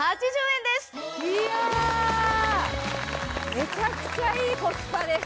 めちゃくちゃいいコスパです。